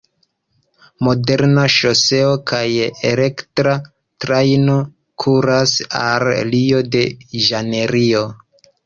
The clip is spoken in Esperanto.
Moderna ŝoseo kaj elektra trajno kuras al Rio-de-Ĵanejro.